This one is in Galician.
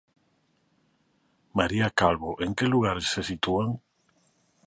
María Calvo, en que lugares se sitúan?